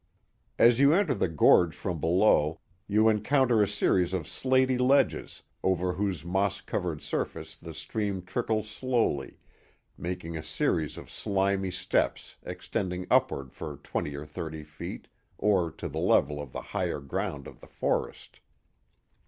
As you enter the gorge from below, you encounter a series of slaty ledges, over whose moss covered surface the stream trickles slowly, making a series of slimy steps extending upward for twenty or thirty feet, or to the level of the higher ground of the forest.